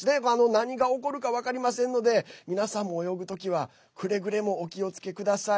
何が起こるか分かりませんので皆さんも泳ぐ時はくれぐれもお気をつけください。